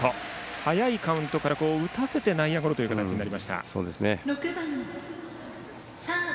早いカウントから打たせて内野ゴロという形でした。